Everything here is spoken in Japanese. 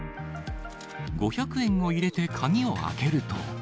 ５００円を入れて鍵を開けると。